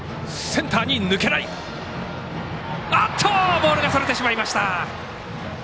ボールがそれてしまいました。